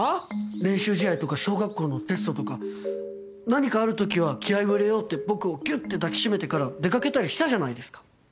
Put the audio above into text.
練習試合とか小学校のテストとか何かある時は気合を入れようって僕をギュって抱き締めてから出かけたりしたじゃないですか。